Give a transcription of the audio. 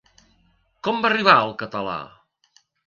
Com va arribar al català?